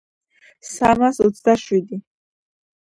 სამას ოცდაშვიდი.